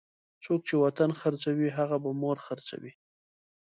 څوک چې وطن خرڅوي هغه به مور خرڅوي.